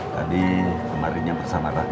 tadi kemarin aku mau berbicara sama teman teman